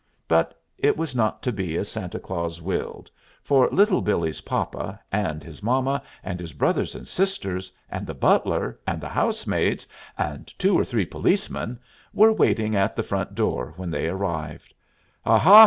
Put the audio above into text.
But it was not to be as Santa Claus willed, for Little Billee's papa, and his mama, and his brothers and sisters, and the butler and the housemaids, and two or three policemen, were waiting at the front door when they arrived. "Aha!"